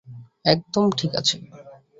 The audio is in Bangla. একদম ঠিক আছে।